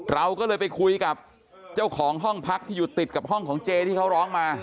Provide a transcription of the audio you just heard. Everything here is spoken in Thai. เราก็เลยไปคุยกับเจ้าของห้องพักที่อยู่ติดกับห้องของเจที่เขาร้องมา